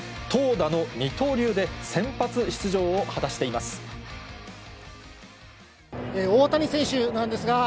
投打の二刀流で、先発出場を果たしています。